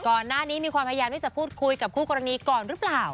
ก่อนหน้านี้มีความพยายามที่จะพูดคุยกับคู่กรณีก่อนหรือเปล่า